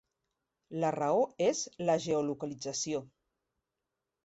La raó és la geolocalització.